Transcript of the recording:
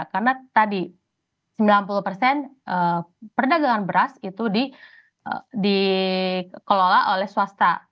karena tadi sembilan puluh perdagangan beras itu dikelola oleh swasta